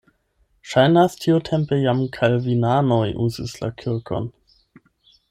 Ŝajnas, tiutempe jam kalvinanoj uzis la kirkon.